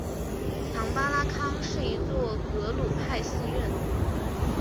强巴拉康是一座格鲁派寺院。